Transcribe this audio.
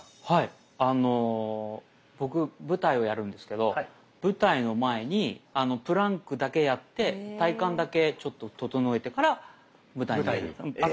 はいあの僕舞台をやるんですけど舞台の前にプランクだけやって体幹だけちょっと整えてから舞台にうん。